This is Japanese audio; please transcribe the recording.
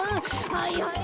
はいはい。